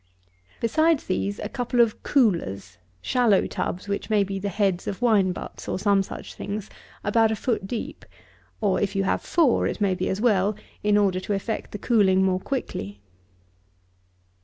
Besides these, a couple of coolers, shallow tubs, which may be the heads of wine buts, or some such things, about a foot deep; or if you have four it may be as well, in order to effect the cooling more quickly.